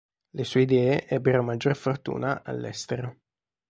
Le sue idee ebbero maggior fortuna all'estero.